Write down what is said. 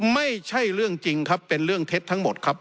ไม่ใช่เรื่องจริงครับเป็นเรื่องเท็จทั้งหมดครับ